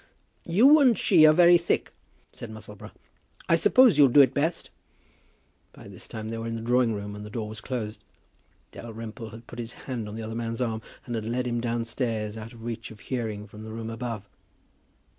"You and she are very thick," said Musselboro. "I suppose you'll do it best." By this time they were in the drawing room, and the door was closed. Dalrymple had put his hand on the other man's arm, and had led him downstairs, out of reach of hearing from the room above.